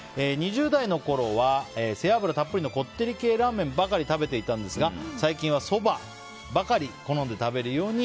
２０代のころは背脂たっぷりのこってり系ラーメンばかり食べていたんですが最近はそばばかり好んで食べるように。